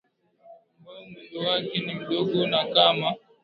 ambaye mwendo wake ni mdogo na kama